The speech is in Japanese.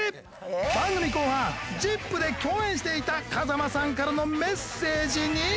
番組後半『ＺＩＰ！』で共演していた風間さんからのメッセージに。